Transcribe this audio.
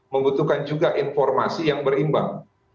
membutuhkan juga informasi yang berimbang